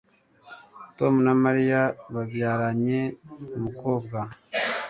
Tom na Mariya babyaranye umukobwa